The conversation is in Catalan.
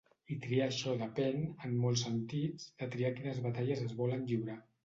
I triar això depèn, en molts sentits, de triar quines batalles es volen lliurar.